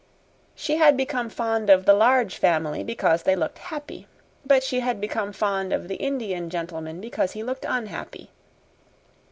She had become fond of the Large Family because they looked happy; but she had become fond of the Indian gentleman because he looked unhappy.